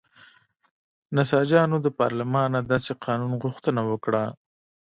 نساجانو له پارلمانه داسې قانون غوښتنه وکړه.